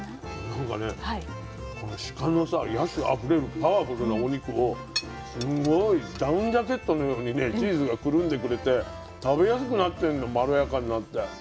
なんかねこのシカのさ野趣あふれるパワフルなお肉をすごいダウンジャケットのようにねチーズがくるんでくれて食べやすくなってんのまろやかになって。